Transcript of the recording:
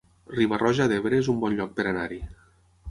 Riba-roja d'Ebre es un bon lloc per anar-hi